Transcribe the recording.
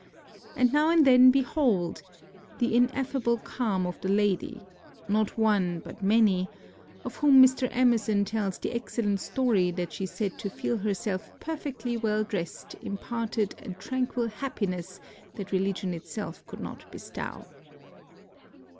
And now and then behold! the ineffable calm of the lady not one, but many of whom Mr. Emerson tells the excellent story that she said to feel herself perfectly well dressed imparted a tranquil happiness that religion itself could not bestow.